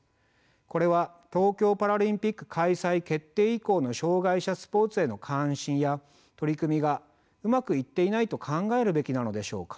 これは東京パラリンピック開催決定以降の障害者スポーツへの関心や取り組みがうまくいっていないと考えるべきなのでしょうか。